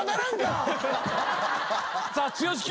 さあ剛君。